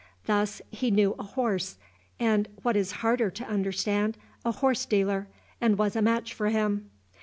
Thus, he knew a horse, and, what is harder to understand, a horse dealer, and was a match for him.